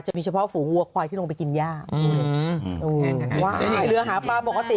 จะมีเฉพาะฝูงวัวควายที่ลงไปกินย่าอืมเรือหาปลาปกติ